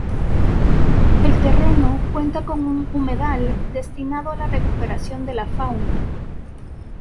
El terreno cuenta con un humedal destinado a la recuperación de la fauna.